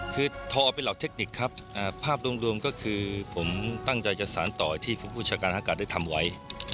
คือทอเป็นเหล่าเทคนิคครับภาพรวมก็คือผมตั้งใจจะสารต่อที่ผู้จัดการอากาศได้ทำไว้